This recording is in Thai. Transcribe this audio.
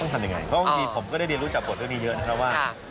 ทำยังไงเพราะบางทีผมก็ได้เรียนรู้จากบทเรื่องนี้เยอะนะครับว่า